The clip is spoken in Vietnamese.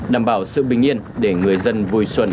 đảm bảo sự bình yên để người dân vui xuân đón tết